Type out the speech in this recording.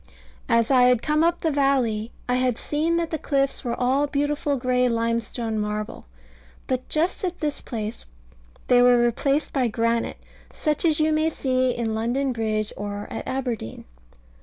As I had come up the valley I had seen that the cliffs were all beautiful gray limestone marble; but just at this place they were replaced by granite, such as you may see in London Bridge or at Aberdeen.